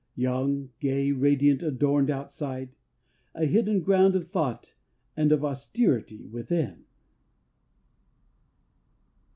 young, gay, Radiant, adorned outside; a hidden ground Of thought and of austerity within.